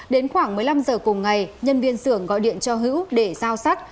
đến khoảng một mươi năm giờ cùng ngày nhân viên xưởng gọi điện cho hữu để giao sắt